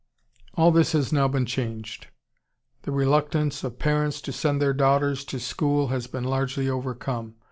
"All this has now been changed. The reluctance of parents to send their daughters to school has been largely overcome....